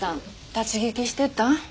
立ち聞きしてたん？